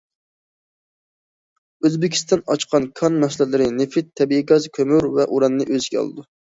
ئۆزبېكىستان ئاچقان كان مەھسۇلاتلىرى نېفىت، تەبىئىي گاز، كۆمۈر ۋە ئۇراننى ئۆز ئىچىگە ئالىدۇ.